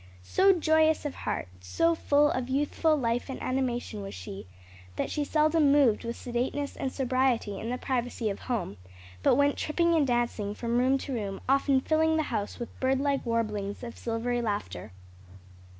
So joyous of heart, so full of youthful life and animation was she that she seldom moved with sedateness and sobriety in the privacy of home, but went tripping and dancing from room to room, often filling the house with birdlike warblings or silvery laughter.